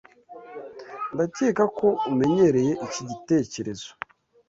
Ndakeka ko umenyereye iki gitekerezo.